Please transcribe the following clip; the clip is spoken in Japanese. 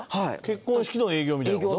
結婚式の営業みたいな事？